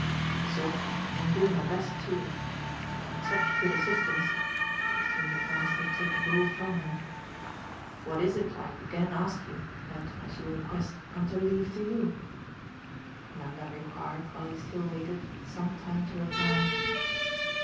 "Certainly, and I'm doing my best too. So that with such good assistance" he seemed at last to have taken it all from her "what is it, I again ask, that, as you request, I'm to 'leave' to you?" Nanda required, while he still waited, some time to reply.